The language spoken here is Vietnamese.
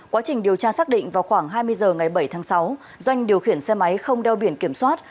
quá trình điều tra xác định vào khoảng hai mươi h ngày bảy tháng sáu doanh điều khiển xe máy không đeo biển kiểm soát